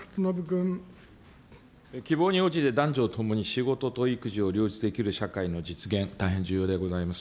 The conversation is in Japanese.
希望に応じて、男女を通じて仕事と育児を両立できる社会の実現、大変重要でございます。